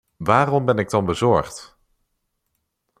Waarom ben ik dan bezorgd?